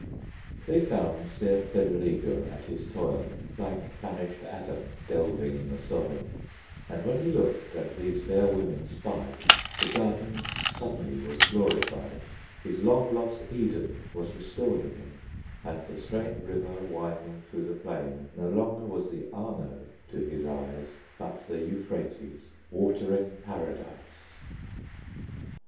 They found Ser Federigo at his toil, Like banished Adam, delving in the soil; And when he looked and these fair women spied, The garden suddenly was glorified; His long lost Eden was restored again, And the strange river winding through the plain No longer was the Arno to his eyes, But the Euphrates watering Paradise!